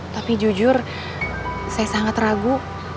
tapi jujur saya sangat ragu